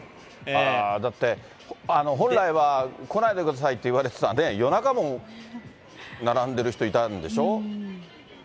だって、本来は来ないでくださいっていわれてたんで、夜中もね、並んでいる人いたんでしょ？